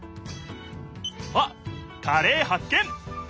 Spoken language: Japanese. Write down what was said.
あっカレーはっ見！